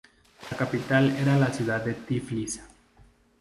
La capital era la ciudad de Tiflis.